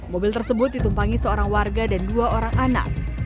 mobil tersebut ditumpangi seorang warga dan dua orang anak